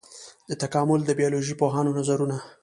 د تکامل د بيولوژي پوهانو نظرونه.